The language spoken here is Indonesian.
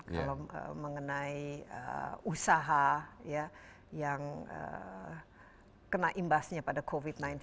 kalau mengenai usaha yang kena imbasnya pada covid sembilan belas